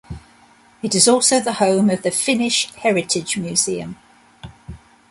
It is also the home of the Finnish Heritage Museum.